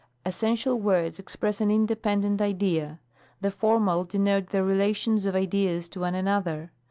Essential words express an independent idea. The formal denote the relations of ideas to one another.